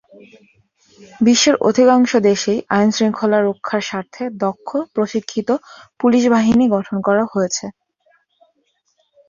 বিশ্বের অধিকাংশ দেশেই আইন-শৃঙ্খলা রক্ষার স্বার্থে দক্ষ, প্রশিক্ষিত পুলিশ বাহিনী গঠন করা হয়েছে।